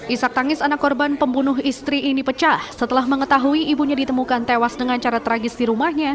isak tangis anak korban pembunuh istri ini pecah setelah mengetahui ibunya ditemukan tewas dengan cara tragis di rumahnya